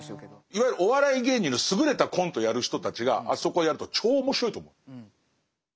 いわゆるお笑い芸人の優れたコントをやる人たちがあそこをやると超面白いと思う。